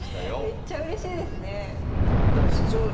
めっちゃうれしいですね。